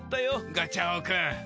ガチャオくん。